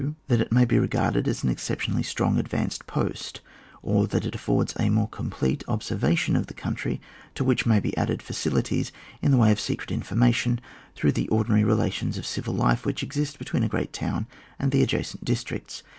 That it may be regarded as an exceptionally strong advanced post, or that it affords a more complete observa tion of the country, to which may be added facilities in the way of secret in formation through the ordinary relations of civil life which exist between a great town and the adjacent districts.